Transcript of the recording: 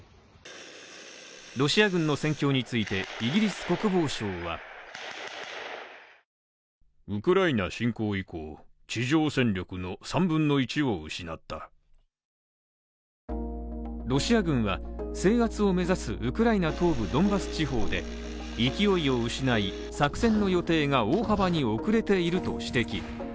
ロシア軍の戦況についてイギリス国防省はロシア軍は制圧を目指すウクライナ東部ドンバス地方で勢いを失い、作戦の予定が大幅に遅れていると指摘。